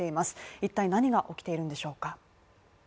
一体何が起きているんでしょうか？